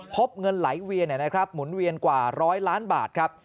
พบเงินไหลเวียนหมุนเวียนกว่า๑๐๐ล้านบาทครับ